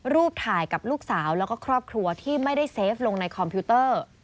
รูปถ่ายกับลูกสาวแล้วก็ครอบครัวที่ไม่ได้เซฟลงในคอมพิวเตอร์